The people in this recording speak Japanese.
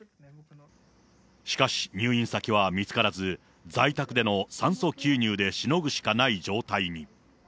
しかし、入院先は見つからず、在宅での酸素吸入でしのぐしかない状態に。